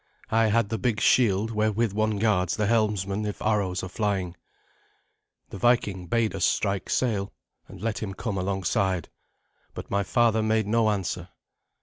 I had the big shield wherewith one guards the helmsman if arrows are flying. The Viking bade us strike sail, and let him come alongside, but my father made no answer.